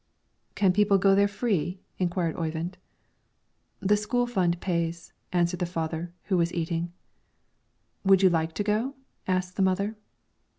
"Can people go there free?" inquired Oyvind. "The school fund pays," answered the father, who was eating. "Would you like to go?" asked the mother.